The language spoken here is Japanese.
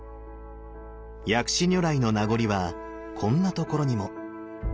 薬師如来の名残はこんなところにも。